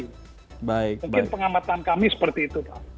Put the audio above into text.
mungkin pengamatan kami seperti itu pak